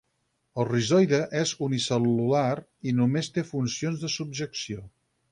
El rizoide és unicel·lular i només té funcions de subjecció.